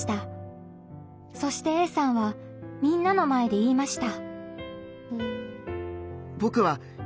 そしてＡさんはみんなの前で言いました。